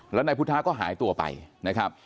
แล้วนายพุทธะก็หายตัวไปนะครับ